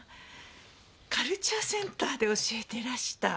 カルチャーセンターで教えていらした？